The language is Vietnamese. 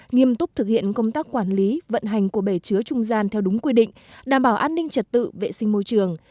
nghiêm túc thực hiện công tác quản lý vận hành của bể chứa trung gian theo đúng quy định đảm bảo an ninh trật tự vệ sinh môi trường